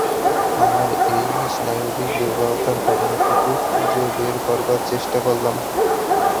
আমার এই স্নায়বিক দুর্বলতার কারণটুকু খুঁজে বের করবার চেষ্টা করলাম।